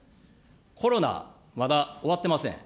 コロナ、まだ終わってません。